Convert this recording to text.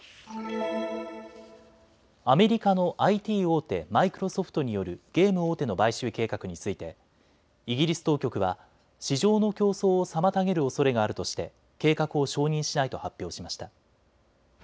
アメリカのＩＴ大手、マイクロソフトによるゲーム大手の買収計画についてイギリス当局は市場の競争を妨げるおそれがあるとして計画を承認しないと発表しました。